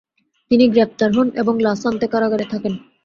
তিনি গ্রেপ্তার হন এবং লা সান্তে কারাগার-এ থাকেন।